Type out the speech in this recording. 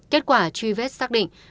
kết quả truy vết xác định